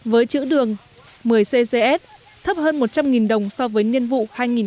với chữ đường một mươi ccs thấp hơn một trăm linh đồng so với nhiên vụ hai nghìn một mươi sáu hai nghìn một mươi bảy